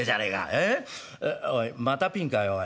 えおいまたピンかよおい。